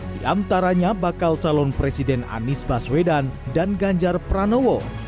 di antaranya bakal calon presiden anies baswedan dan ganjar pranowo